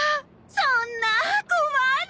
そんなあ困る！